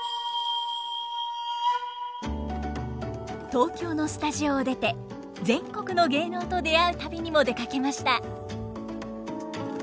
東京のスタジオを出て全国の芸能と出会う旅にも出かけました。